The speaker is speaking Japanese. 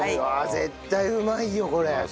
絶対うまいよこれ。